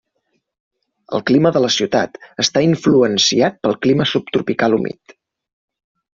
El clima de la ciutat està influenciat pel clima subtropical humit.